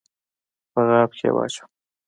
په غاب کي یې واچوه !